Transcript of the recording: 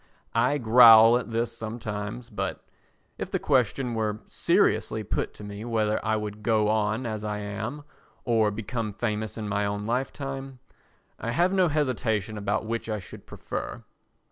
I growl at this sometimes but, if the question were seriously put to me whether I would go on as I am or become famous in my own lifetime, I have no hesitation about which I should prefer.